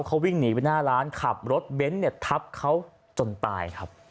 เขาวิ่งหนีไปหน้าร้านขับรถเบนท์เนี่ยทับเขาจนตายครับ